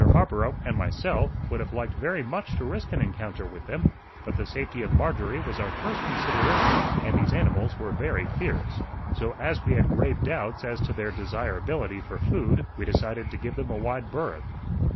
Harborough and myself would have liked very much to risk an encounter with them, but the safety of Marjorie was our first consideration, and these animals were very fierce. So as we had grave doubts as to their desirability for food we decided to give them a wide berth.